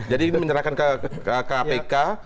jadi menyerahkan ke kpk